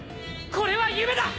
これは夢だ！